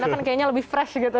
karena kan kayaknya lebih fresh gitu